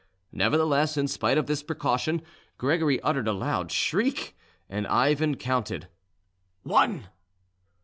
Nevertheless, in spite of this precaution, Gregory uttered a loud shriek, and Ivan counted "One."